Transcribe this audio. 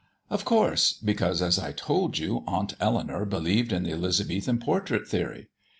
"Of course, because, as I told you, Aunt Eleanour believed in the Elizabethan portrait theory.